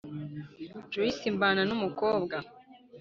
juice, mbana numukobwa